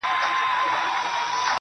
زما د ميني ليونيه، ستا خبر نه راځي~